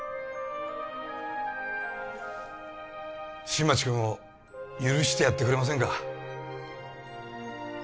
新町君を許してやってくれませんか？